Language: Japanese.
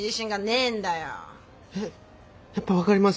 えっやっぱ分かります？